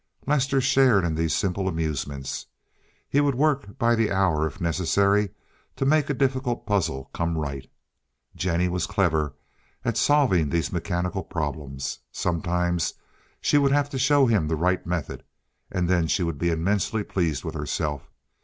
Lester shared in these simple amusements. He would work by the hour, if necessary, to make a difficult puzzle come right. Jennie was clever at solving these mechanical problems. Sometimes she would have to show him the right method, and then she would be immensely pleased with herself.